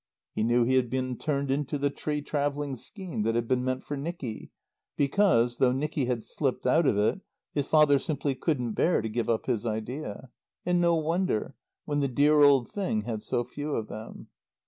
He knew he had been turned into the tree travelling scheme that had been meant for Nicky, because, though Nicky had slipped out of it, his father simply couldn't bear to give up his idea. And no wonder, when the dear old thing had so few of them.